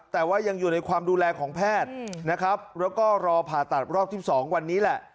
แต่ว่ายังอยู่ในความดูแลของแพทย์นะครับแล้วก็รอผ่าตัดรอบที่๒วันนี้แหละ